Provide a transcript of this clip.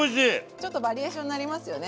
ちょっとバリエーションなりますよね